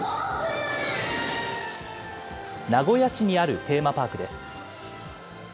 名古屋市にあるテーマパークです。